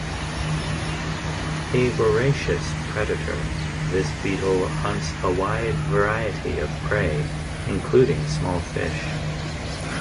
A voracious predator, this beetle hunts a wide variety of prey including small fish.